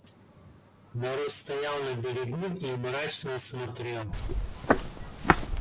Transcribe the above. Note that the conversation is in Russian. Народ стоял на берегу и мрачно смотрел.